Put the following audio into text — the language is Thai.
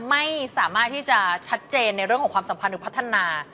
ไม่สามารถที่จะชัดเจนในเรื่องของความสัมพันธ์หรือพัฒนา